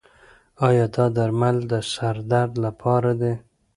ایا دا درمل د سر درد لپاره دي؟